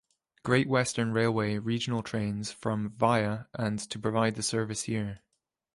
Great Western Railway regional trains from "via" and to provide the service here.